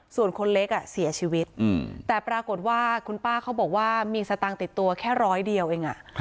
ส่วนคนเล็กเสียชีวิตแต่ปรากฏว่าคุณป้าเขาบอกว่ามีสตางค์ติดตัวแค่ร้อยเดียวเอง